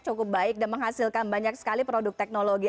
cukup baik dan menghasilkan banyak sekali produk teknologi